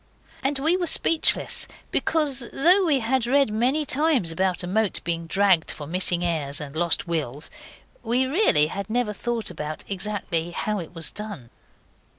And we were speechless, because, though we had read many times about a moat being dragged for missing heirs and lost wills, we really had never thought about exactly how it was done.